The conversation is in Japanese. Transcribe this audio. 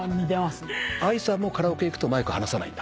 ＡＩさんもカラオケ行くとマイク離さないんだ？